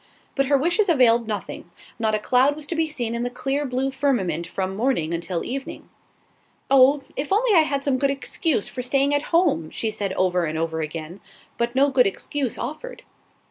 But her wishes availed nothing; not a cloud was to be seen in the clear blue firmament from morning until evening. "Oh, if I only had some good excuse for staying at home!" she said over and over again; but no good excuse offered.